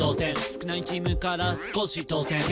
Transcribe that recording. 「少ないチームから少し当選」